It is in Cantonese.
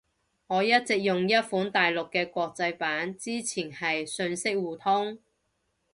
我一直用一款大陸嘅國際版。之前係信息互通